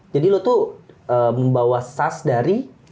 jadi lo tuh membawa sas dari